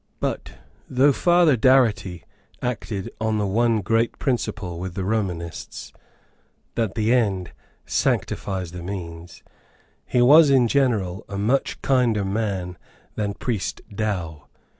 But, though Father Darity acted on the one great principle with the Romanists, that the "end sanctifies the means," he was in general a much kinder man than Priest Dow.